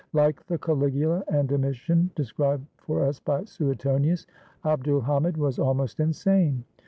Like the Caligula and Domitian described for us by Suetonius, Abd ul Hamid was almost insane.